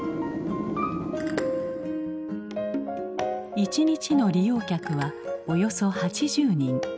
一日の利用客はおよそ８０人。